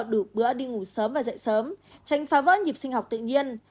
đủ bữa đi ngủ sớm và dậy sớm tránh phá vỡ nhịp sinh học tự nhiên